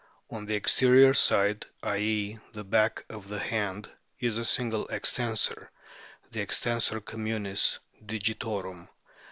On the extensor side, i.e., the "back of the hand, is a single extensor, the extensor communis digitorum."